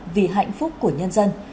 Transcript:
vì hạnh phúc của nhân dân